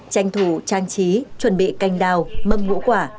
tranh thủ trang trí chuẩn bị canh đào mâm ngũ quả